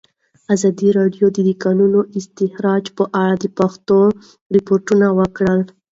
ازادي راډیو د د کانونو استخراج په اړه د پېښو رپوټونه ورکړي.